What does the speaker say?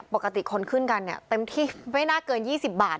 ส่วนของรถเมย์เนี่ยปกติคนขึ้นกันเต็มที่ไม่น่าเกิน๒๐บาท